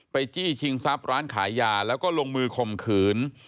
จี้ชิงทรัพย์ร้านขายยาแล้วก็ลงมือข่มขืน